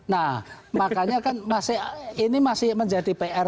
nah makanya kan ini masih menjadi pr pemerintah